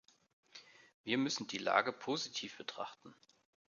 Wir müssen die Lage positiv betrachten.